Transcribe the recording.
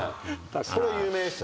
これ有名ですよね。